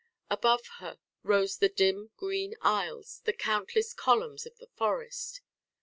Above her rose the dim green aisles, the countless columns of the forest.